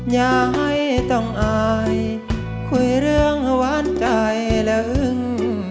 อย่าให้ต้องอายคุยเรื่องหวานใจและอึ้ง